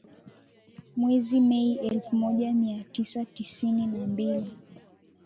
Mwezi Mei elfu moja mia tisa tisini na mbili